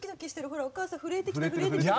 お母さん震えてきてる震えてきてる。